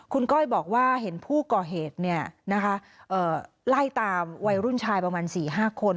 คุณก้อยบอกว่าเห็นผู้ก่อเหตุไล่ตามวัยรุ่นชายประมาณ๔๕คน